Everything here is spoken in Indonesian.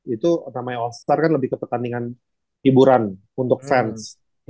itu namanya all star kan lebih ke pertandingan hiburan untuk fans